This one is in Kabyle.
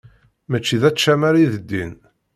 Mačči d ačamar i d ddin.